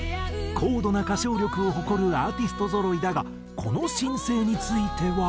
高度な歌唱力を誇るアーティストぞろいだがこの新星については。